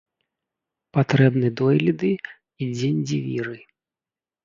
патрэбны дойліды і дзеньдзівіры.